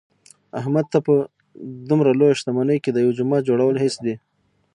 احمد ته په دمره لویه شتمنۍ کې د یوه جومات جوړل هېڅ دي.